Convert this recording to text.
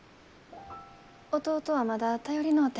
弟はまだ頼りのうて。